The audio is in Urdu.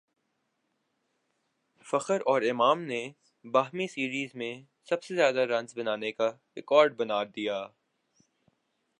فخر اور امام نے باہمی سیریز میں سب سے زیادہ رنز بنانے کاریکارڈ بنادیا